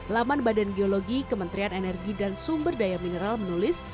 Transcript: laman badan geologi kementerian energi dan sumber daya mineral menulis